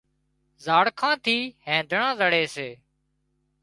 زاڙکان ٿي اينڌڻان زڙي سي